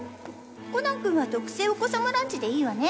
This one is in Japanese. コナン君は「特製お子さまランチ」でいいわね？